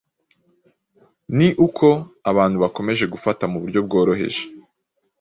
Ni uko abantu bakomeje gufata mu buryo bworoheje